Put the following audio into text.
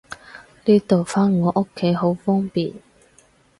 呢度返我屋企好方便